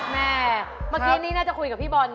แม่เมื่อกี้นี่น่าจะคุยกับพี่บอล